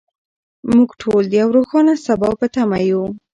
موږ ټول د یو روښانه سبا په تمه یو.